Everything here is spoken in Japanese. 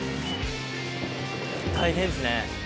大変ですね。